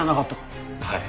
はい。